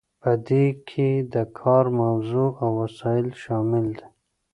په دې کې د کار موضوع او وسایل شامل دي.